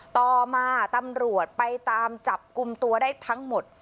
ต่อมาตำรวจไปตามจับกลุ่มตัวได้ทั้งหมด